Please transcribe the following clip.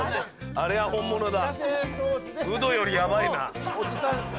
あれは本物だ。